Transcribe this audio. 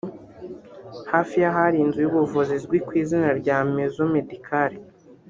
hafi y’ahari inzu y’ubuvuzi izwi kw’izina rya "Maison médicale